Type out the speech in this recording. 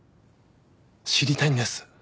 知りたいんです